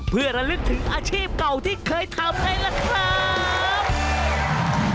เพื่อระลึกถึงอาชีพเก่าที่เคยทำไงล่ะครับ